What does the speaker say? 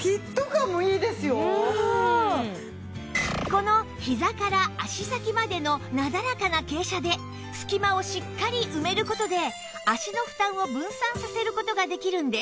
このひざから足先までのなだらかな傾斜で隙間をしっかり埋める事で脚の負担を分散させる事ができるんです